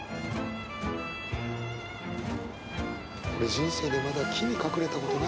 俺人生でまだ木に隠れたことない。